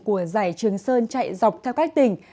của giải trường sơn chạy dọc theo các tỉnh